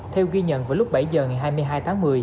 theo ghi nhận vào lúc bảy giờ ngày hai mươi hai tháng một mươi